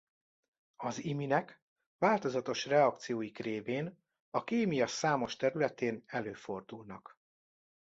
Az iminek változatos reakcióik révén a kémia számos területén előfordulnak.